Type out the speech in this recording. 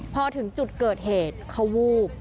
พอถึงจุดเกิดเหตุเขาวูบ